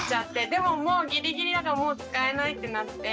でももうギリギリだからもう使えないってなって。